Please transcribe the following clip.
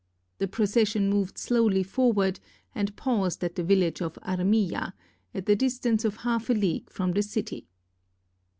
The procession moved slowly forward, and paused at the village of Armilla, at the distance of half a league from the city.